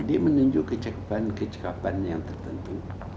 dia menunjuk kecekapan kecekapan yang tertentu